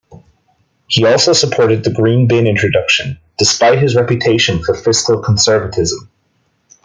He also supported the green bin introduction, despite his reputation for fiscal conservatism.